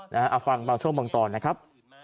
เอาฟังบางช่วงบางตอนนะครับ